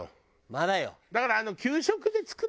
まだよ。